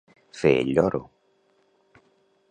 Fer el lloro.